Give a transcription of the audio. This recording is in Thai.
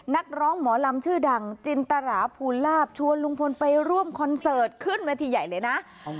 นักร้องหมอลำชื่อดังจินตราภูลาภชวนลุงพลไปร่วมคอนเสิร์ตขึ้นเวทีใหญ่เลยนะ